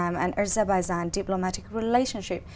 cũng có rất nhiều quân sĩ quân sĩ